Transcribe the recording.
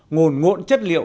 nguồn nguộn chất liệu